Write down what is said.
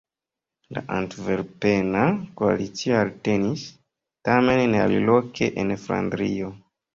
La antverpena koalicio eltenis; tamen ne aliloke en Flandrio.